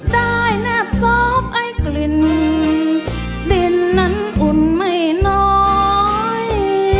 ได้แนบซอบไอ้กลิ่นดินนั้นอุ่นไม่น้อย